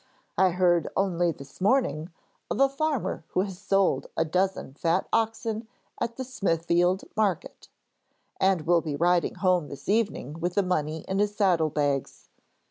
'I heard only this morning of a farmer who has sold a dozen fat oxen at the Smithfield Market, and will be riding home this evening with the money in his saddle bags.